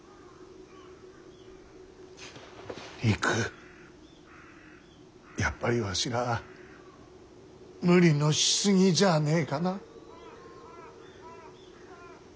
りくやっぱりわしら無理のし過ぎじゃねえかな。